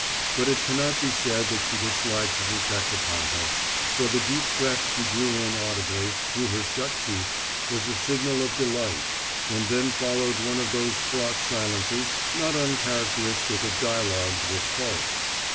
But it cannot be said that she disliked his effect upon her; for the deep breath she drew in audibly, through her shut teeth, was a signal of delight; and then followed one of those fraught silences not uncharacteristic of dialogues with Cora.